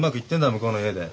向こうの家で。